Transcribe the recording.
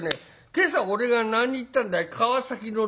今朝俺が何行ったんだい川崎の大師様へな。